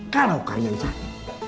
kalau kalian sakit